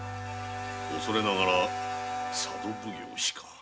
恐れながら佐渡奉行しか。